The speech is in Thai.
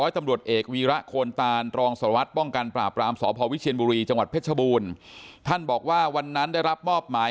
หัววิทยาลัยบุรีจังหวัดเพชรบูรณ์ท่านบอกว่าวันนั้นได้รับมอบหมาย